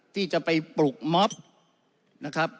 ที่จะไปปลุกม็อบ